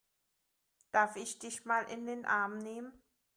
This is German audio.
Darf ich dich mal in den Arm nehmen?